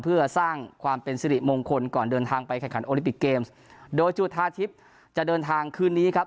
เพื่อสร้างความเป็นสิริมงคลก่อนเดินทางไปแข่งขันโอลิปิกเกมส์โดยจุธาทิพย์จะเดินทางคืนนี้ครับ